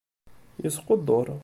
Yesquddur.